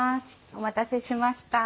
お待たせしました。